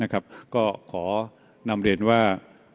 ก็ขอนำเรียนว่า